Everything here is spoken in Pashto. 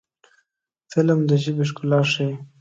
فلم د ژبې ښکلا ښيي